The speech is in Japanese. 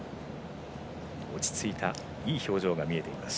落ち着いたいい表情が見えていました。